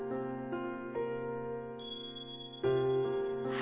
あ！